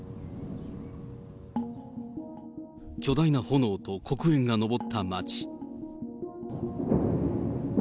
巨大な炎と黒煙が上った町。